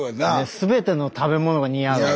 すべての食べ物が似合うよ。